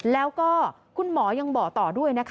แล้วก็คุณหมอยังบอกต่อด้วยนะคะ